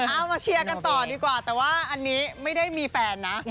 เอามาเชียร์กันต่อดีกว่าแต่ว่าอันนี้ไม่ได้มีแฟนนะ